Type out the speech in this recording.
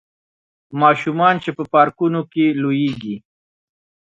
ماشومان چې په پارکونو کې لوبیږي